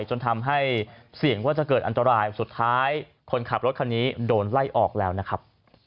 จนทำให้เสี่ยงว่าจะเกิดอันตรายสุดท้ายคนขับรถคันนี้โดนไล่ออกแล้วนะครับ